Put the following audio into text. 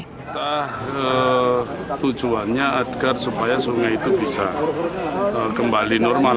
kita tujuannya agar supaya sungai itu bisa kembali normal